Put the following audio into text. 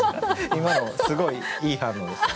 今のすごいいい反応ですね。